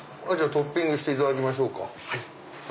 トッピングしていただきましょうか。